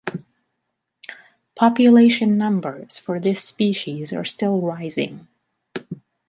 Population numbers for this species are still rising.